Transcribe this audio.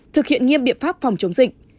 thực hiện nghiêm biện pháp phòng chống dịch